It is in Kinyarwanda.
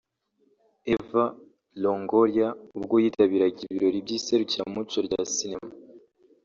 Eva Longoria ubwo yitabiraga ibirori by’iserukiramuco rya sinema